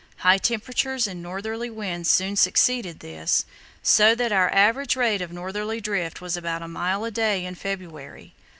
High temperatures and northerly winds soon succeeded this, so that our average rate of northerly drift was about a mile a day in February.